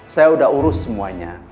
saya udah urus semuanya